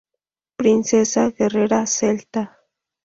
Princesa guerrera Celta.